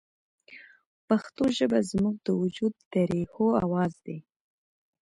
پښتو ژبه زموږ د وجود د ریښو اواز دی